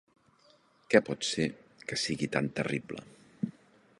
Què pot ser, que sigui tan terrible?